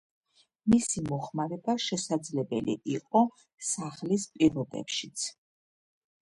მისი მოხმარება შესაძლებელი იყო სახლის პირობებშიც.